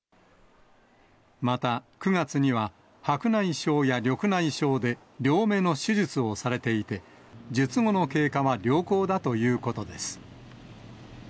また、９月には白内障や緑内障で、両目の手術をされていて、術後の経過は良好だということです。